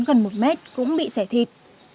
gần một mét cũng bị xẻ thịt